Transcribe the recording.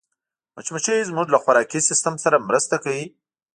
مچمچۍ زموږ له خوراکي سیسټم سره مرسته کوي